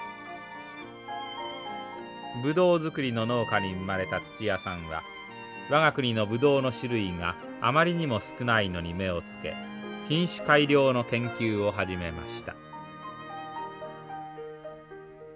ブドウ作りの農家に生まれた土屋さんは我が国のブドウの種類があまりにも少ないのに目を付け品種改良の研究を始めました。